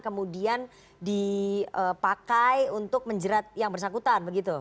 kemudian dipakai untuk menjerat yang bersangkutan begitu